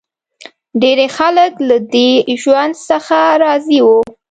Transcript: ډېری خلک له دې ژوند څخه راضي و.